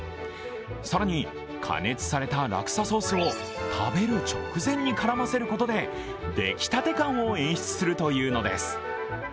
更に、加熱されたラクサソースを食べる直前に絡ませることで出来たて感を演出するというのです。